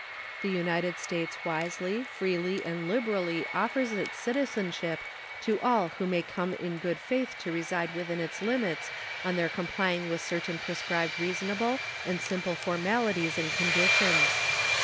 The United States wisely, freely, and liberally offers its citizenship to all who may come in good faith to reside within its limits on their complying with certain prescribed reasonable and simple formalities and conditions.